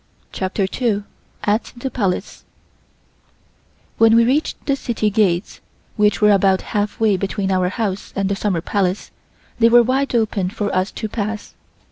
CHAPTER TWO AT THE PALACE WHEN we reached the City gates, which were about half way between our house and the Summer Palace, they were wide open for us to pass.